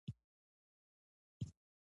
پسه د سنتو پیروي ښيي.